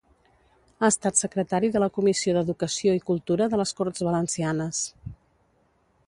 Ha estat secretari de la Comissió d'Educació i Cultura de les Corts Valencianes.